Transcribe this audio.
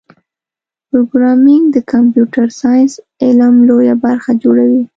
پروګرامېنګ د کمپیوټر ساینس علم لویه برخه جوړوي.